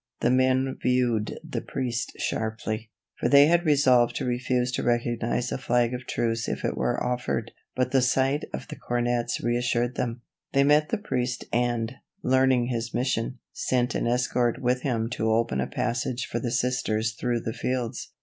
The men viewed the priest sharply, for they had resolved to refuse to recognize a flag of truce if it were offered, but the sight of the cornettes reassured them. They met the priest and, learning his mission, sent an escort with him to open a passage for the Sisters through the fields.